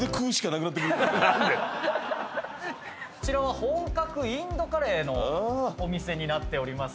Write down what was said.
こちらは本格インドカレーのお店になっております。